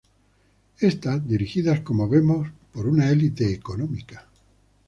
Estas, dirigidas como vemos por una élite económica